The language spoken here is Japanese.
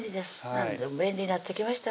何でも便利になってきました